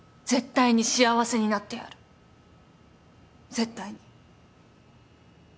絶対に。